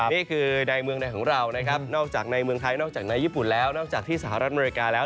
นี่คือในเมืองในของเรานะครับนอกจากในเมืองไทยนอกจากในญี่ปุ่นแล้วนอกจากที่สหรัฐอเมริกาแล้ว